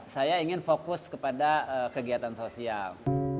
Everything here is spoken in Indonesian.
saya ingin fokus kepada kegiatan sosial